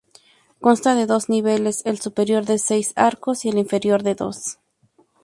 Consta de dos niveles, el superior de seis arcos y el inferior de dos.